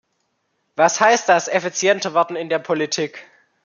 Was heißt das, effizienter werden in der Politik?